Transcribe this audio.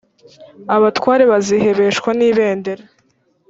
abatware bazihebeshwa n’ibendera